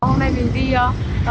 đông quá thì mình vẫn chưa vô xăng được